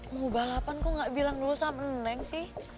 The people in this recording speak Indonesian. mau balapan kok gak bilang dulu sama neng sih